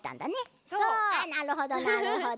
なるほどなるほど。